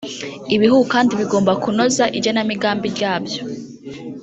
Ibihugu kandi bigomba kunoza igenamigambi ryabyo